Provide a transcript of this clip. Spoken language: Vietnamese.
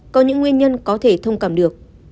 có những nguyên nhân có thể thông cảm được